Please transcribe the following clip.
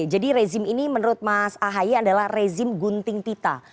jadi rezim ini menurut mas ahaya adalah rezim gunting tita